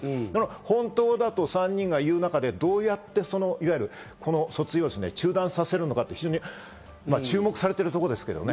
本当だと３人が言う中で、どうやって訴追を中断させるのか、注目されているところですけどね。